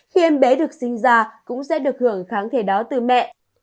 khi em bé được sinh ra cũng sẽ được hưởng kháng thể đó từ mẹ